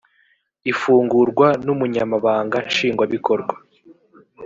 ifungurwa n umunyamabanga nshingwabikorwa